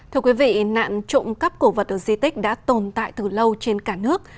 thưa quý vị nạn trộm cắp cổ vật ở di tích đã tồn tại từ lâu trên cả nước